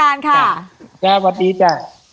ลูกผู้ชายชาติพระ